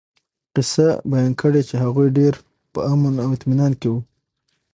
قصّه بيان کړي چې هغوي ډير په امن او اطمنان کي وو